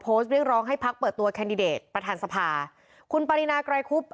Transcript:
เรียกร้องให้พักเปิดตัวแคนดิเดตประธานสภาคุณปรินาไกรคุบ